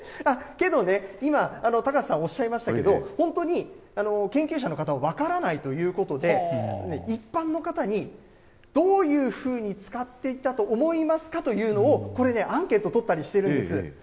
けどね、今、高瀬さんおっしゃいましたけど、本当に研究者の方は分からないということで、一般の方にどういうふうに使っていたと思いますかというのを、これね、アンケート取ったりしてるんです。